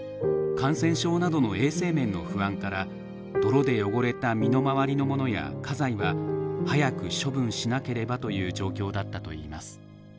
感染症などの衛生面の不安から泥で汚れた身の周りのものや家財は早く処分しなければという状況だったといいます。